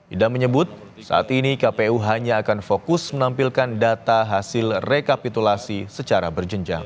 idam menyebut saat ini kpu hanya akan fokus menampilkan data hasil rekapitulasi secara berjenjang